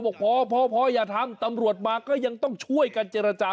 บอกพอพออย่าทำตำรวจมาก็ยังต้องช่วยกันเจรจา